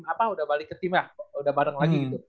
apa udah balik ke tim ya udah bareng lagi gitu